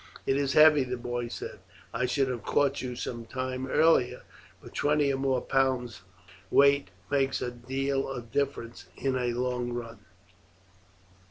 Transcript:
It is heavy," the boy said. "I should have caught you some time earlier, but twenty or more pounds' weight makes a deal of difference in a long run."